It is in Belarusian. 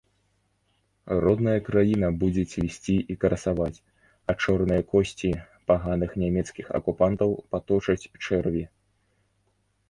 Родная краіна будзе цвісці і красаваць, а чорныя косці паганых нямецкіх акупантаў паточаць чэрві.